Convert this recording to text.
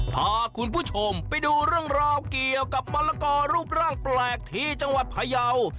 พาคุณผู้ชมไปดูเรื่องราวเกี่ยวกับมะละกอรูปร่างแปลกที่จังหวัดพยาว